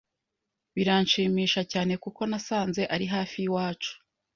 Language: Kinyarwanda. biranshimisha cyane kuko nasanze ari hafi y’iwacu